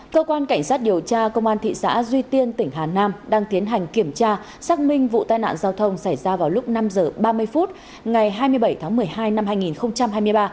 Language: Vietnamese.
cơ quan cảnh sát điều tra công an thị xã duy tiên tỉnh hà nam đang tiến hành kiểm tra xác minh vụ tai nạn giao thông xảy ra vào lúc năm h ba mươi phút ngày hai mươi bảy tháng một mươi hai năm hai nghìn hai mươi ba